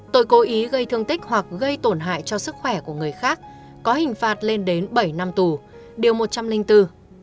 tội cố ý gây thương tích hoặc gây tổn hại cho sức khỏe của người khác có hình phạt lên đến bảy năm tù điều một trăm linh bốn